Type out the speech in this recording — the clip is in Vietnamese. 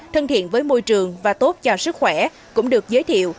thân thiện với môi trường và tốt cho sức khỏe cũng được giới thiệu